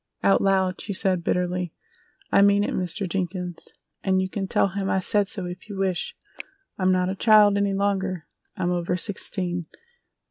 Out loud she said bitterly: "I mean it, Mr. Jenkins, and you can tell him I said so if you wish. I'm not a child any longer, I'm over sixteen!